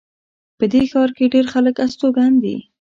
په دې ښار کې ډېر خلک استوګن دي